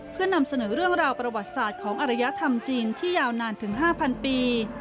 เพื่อนำเสนอเรื่องราวประวัติศาสตร์ของอรยธรรมจีนที่ยาวนานถึง๕๐๐ปี